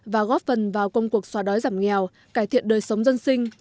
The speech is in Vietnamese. và góp phần vào công cuộc xóa đói giảm nghèo cải thiện đời sống dân sinh